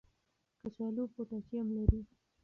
کچالو پوټاشیم لري.